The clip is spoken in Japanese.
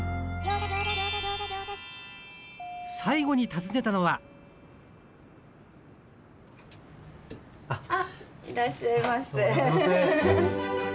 最後に訪ねたのはあっいらっしゃいませ。